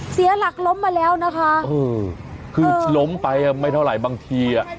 เสียหลักล้มมาแล้วนะคะเออคือล้มไปอ่ะไม่เท่าไหร่บางทีอ่ะ